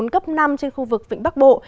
cấp năm trên khu vực vịnh bắc bộ